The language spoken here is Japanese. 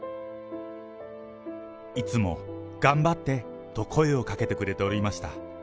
いつも頑張ってと声をかけてくれておりました。